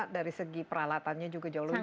dari segi peralatannya juga jauh lebih